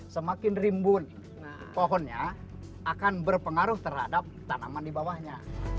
semakin rimbun pohonnya akan berpengaruh terhadap tanaman di bawahnya